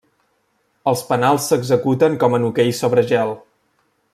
Els penals s'executen com en hoquei sobre gel.